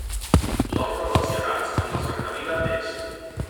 L’ordre dels Gegants en la cercavila és: